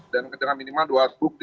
dan dengan minimal dua bukti